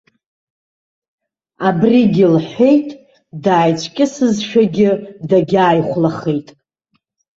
Абригьы лҳәеит, дааицәкьысызшәагьы дагьааихәлахеит.